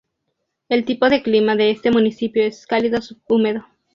El tipo de clima de este municipio es cálido subhúmedo.